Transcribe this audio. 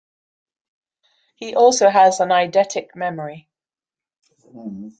He also has a eidetic memory.